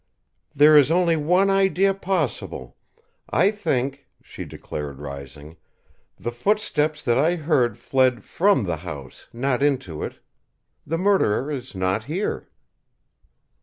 "There is only one idea possible, I think," she declared, rising: "the footsteps that I heard fled from the house, not into it. The murderer is not here."